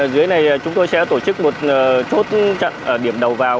dưới này chúng tôi sẽ tổ chức một chốt điểm đầu vào